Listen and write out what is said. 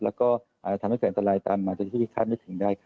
และก็ทำให้เกิดอันตรายตามมาจนทีคาดไม่ถึงได้ค่ะ